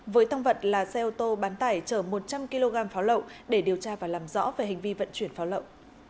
với tăng vật là xe ô tô bán tải chở một trăm linh kg pháo lậu để điều tra và làm rõ về hành vi vận chuyển pháo lậu